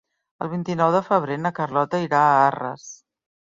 El vint-i-nou de febrer na Carlota irà a Arres.